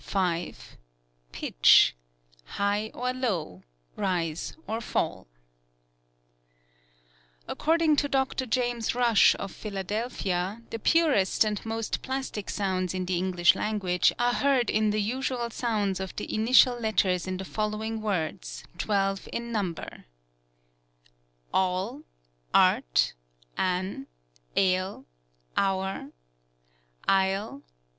5. Pitch — high or low, rise or fall. According to Dr. James Rush, of Philadelphia, the purest and most plastic sounds in the English language are heard in the usual sounds of the initial letters in the following words, twelv© in AND VOCAL ILLUSIONS. 17 number — a U, a rt, a n, a le, o ur, i sle